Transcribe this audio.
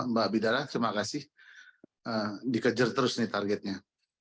mbak bidara terima kasih dikejar terus nih targetnya